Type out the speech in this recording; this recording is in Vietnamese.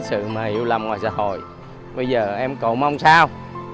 cái sự mà hiểu lầm ngoài xã hội bây giờ em cậu mong sao